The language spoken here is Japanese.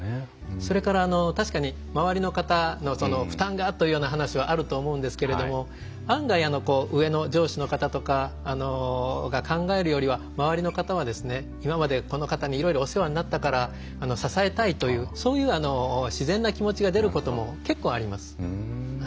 それから確かに周りの方の負担がというような話はあると思うんですけれども案外上の上司の方とかが考えるよりは周りの方はですね今までこの方にいろいろお世話になったから支えたいというそういう自然な気持ちが出ることも結構あります。